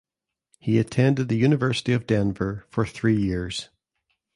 He attended the University of Denver for three years.